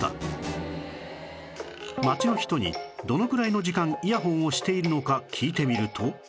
街の人にどのくらいの時間イヤホンをしているのか聞いてみると